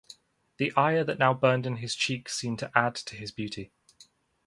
The ire that now burned in his cheeks seemed to add to his beauty.